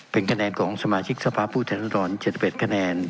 เป็นคะแนนของสมาชิกสภาพผู้แทนรดร๗๑คะแนน